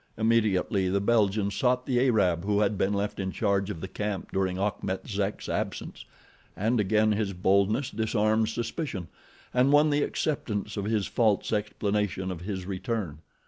Immediately the Belgian sought the Arab who had been left in charge of the camp during Achmet Zek's absence, and again his boldness disarmed suspicion and won the acceptance of his false explanation of his return.